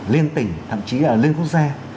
liên tỉnh thậm chí là liên quốc gia